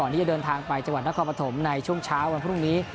ที่จะเดินทางไปจังหวัดนครปฐมในช่วงเช้าวันพรุ่งนี้